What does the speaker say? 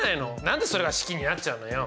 何でそれが式になっちゃうのよ。